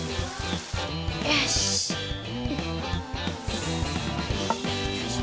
よしよいしょ